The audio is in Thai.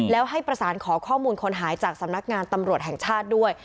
แล้วให้ประสานขอข้อมูลคนหายจากสำนักงานตำรวจแห่งชาติด้วย